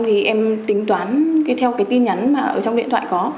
thì em tính toán theo cái tin nhắn mà ở trong điện thoại có